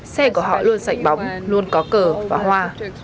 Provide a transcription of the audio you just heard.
xe của họ luôn sạch bóng luôn có cờ và hoa